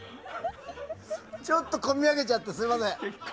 ちょっとこみ上げちゃってすみません。